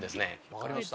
わかりました。